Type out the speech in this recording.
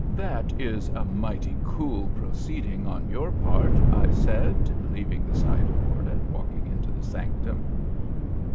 "This is a mighty cool proceeding on your part," I said, leaving the sideboard and walking into the sanctum.